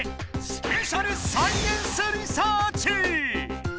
「スペシャル・サイエンス・リサーチ」！